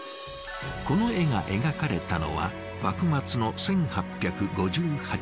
この絵が描かれたのは幕末の１８５８年。